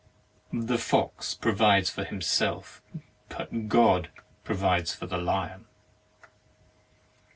The fox provides for himself, but God provides for the lion.